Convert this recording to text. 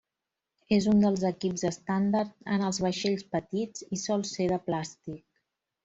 És un dels equips estàndard en els vaixells petits, i sol ser de plàstic.